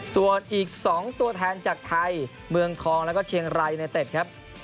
ส่วนอีก๒ตัวแทนจากไทยเมืองทองแล้วก็เชียงรายในเต็ดครับ